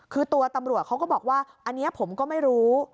คือตัวตำรวจเขาก็บอกว่าอันนี้ผมก็ไม่รู้